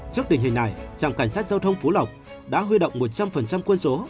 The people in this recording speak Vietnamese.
trước tình hình này trạm cảnh sát giao thông phú lộc đã huy động một trăm linh quân số